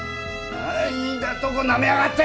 何だとなめやがって！